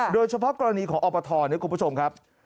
โดยเฉพาะกรณีของอปทนะคุณผู้ชมครับ